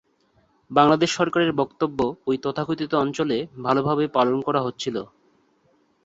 বাংলাদেশ সরকারের বক্তব্য ঐ তথাকথিত অঞ্চলে ভালোভাবেই পালন করা হচ্ছিল।